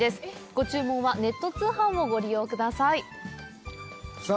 ご注文はネット通販をご利用下さいさぁ